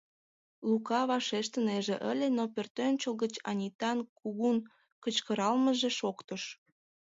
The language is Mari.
Лука вашештынеже ыле, но пӧртӧнчыл гыч Анитан кугун кычкыралмыже шоктыш: